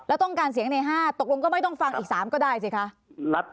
แล้วต้องการเสียงใน๕ตกลงก็ไม่ต้องฟังอีก๓ก็ได้สิคะ